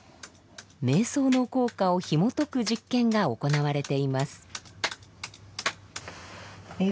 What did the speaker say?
瞑想の効果をひもとく実験が行われています。